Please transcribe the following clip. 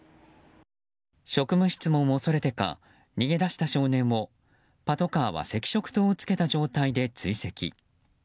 職務質問を恐れてか逃げ出した少年をパトカーは赤色灯をつけた状態で追跡。